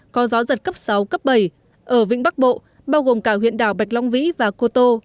có gió giật cấp sáu cấp bảy ở vĩnh bắc bộ bao gồm cả huyện đảo bạch long vĩ và cô tô